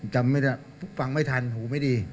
จำไม่ได้ฟังไม่ทันหูไม่ดี